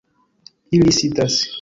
Ili sidas.